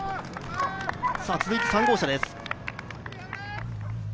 続いて３号車です。